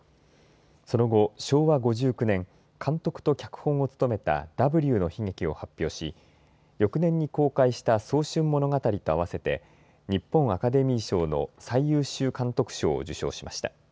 その後、昭和５９年、監督と脚本を務めたＷの悲劇を発表し、翌年に公開した早春物語とあわせて日本アカデミー賞の最優秀監督賞を受賞しました。